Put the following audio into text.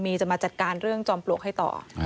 มีจะมาจัดการเรื่องจอมปลวกให้ต่อ